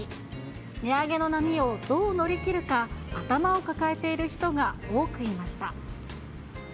値上げの波をどう乗り切るか、頭を抱えている人が多くいました。